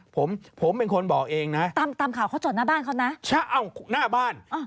ผมเป็นคนบอกเองนะ